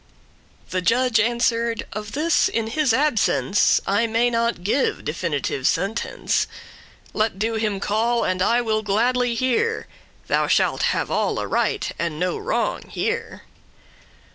The judge answer'd, "Of this, in his absence, I may not give definitive sentence. Let do* him call, and I will gladly hear; *cause Thou shalt have alle right, and no wrong here."